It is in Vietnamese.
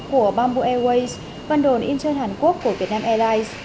của bamboo airways